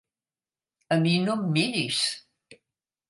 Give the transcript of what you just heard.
A mi no em miris!